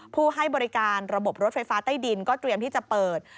ผู้ให้บริการระบบรถไฟฟ้าใต้ดินก็เตรียมที่จะเปิด